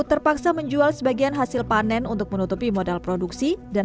terpaksa menjual sebagian hasil panen untuk menutupi modal produksi dan